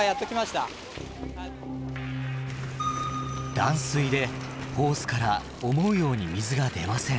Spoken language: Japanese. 断水でホースから思うように水が出ません。